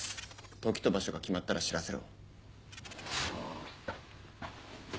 時と場所が決まったら知らせろ。